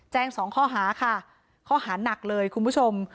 สองข้อหาค่ะข้อหานักเลยคุณผู้ชม